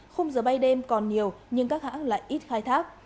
khung giờ bay đêm còn nhiều nhưng các hãng lại ít khai thác